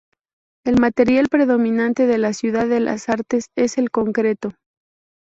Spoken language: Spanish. El material predominante de la Ciudad de las Artes es el concreto.